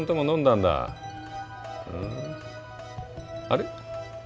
あれ？